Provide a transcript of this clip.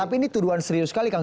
tapi ini tuduhan serius sekali kang